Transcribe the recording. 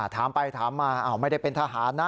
ถามไปถามมาไม่ได้เป็นทหารนะ